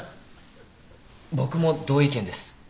僕も同意見です。